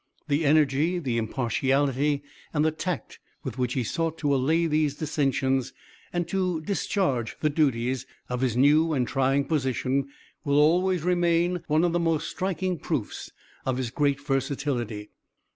The energy, the impartiality, and the tact with which he sought to allay these dissensions, and to discharge the duties, of his new and trying position, will always remain one of the most striking proofs of his great versatility.